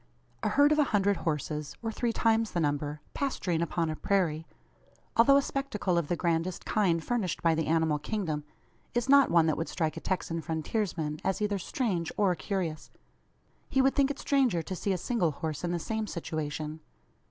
A herd of a hundred horses or three times the number pasturing upon a prairie, although a spectacle of the grandest kind furnished by the animal kingdom, is not one that would strike a Texan frontiersman as either strange, or curious. He would think it stranger to see a single horse in the same situation.